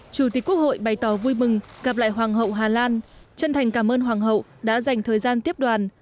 chủ tịch quốc hội bày tỏ vui mừng gặp lại hoàng hậu hà lan chân thành cảm ơn hoàng hậu đã dành thời gian tiếp đoàn